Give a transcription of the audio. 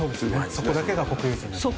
そこだけが国有地になります。